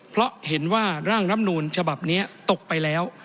เพราะเห็นว่าร่างรับนูลฉบับนี้ตกไปแล้ว